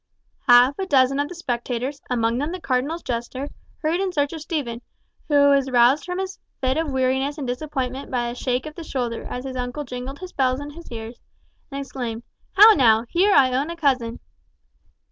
Half a dozen of the spectators, among them the cardinal's jester, hurried in search of Stephen, who was roused from his fit of weariness and disappointment by a shake of the shoulder as his uncle jingled his bells in his ears, and exclaimed, "How now, here I own a cousin!"